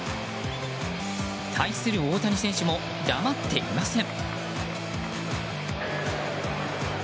対する大谷選手も黙っていません。